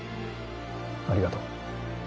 ありがとう。